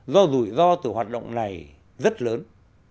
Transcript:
do rủi ro từ hoạt động này rất lớn